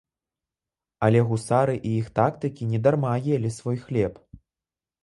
Але гусары і іх тактыкі недарма елі свой хлеб.